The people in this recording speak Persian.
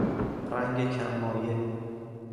رنگ کم مایه